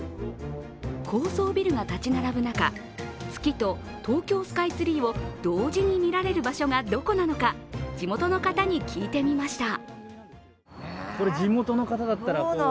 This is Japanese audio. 高層ビルが建ち並ぶ中、月と東京スカイツリーを同時に見られる場所がどこなのか地元の方に聞いてみました。